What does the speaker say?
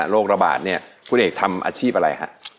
โรคระบาดคุณเอกทำอาชิบอะไรคะ